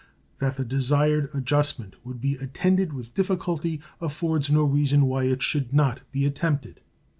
That the desired adjustment would be attended with difficulty affords no reason why it should not be attempted.